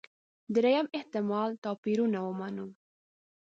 درېیم احتمال توپيرونه ومنو.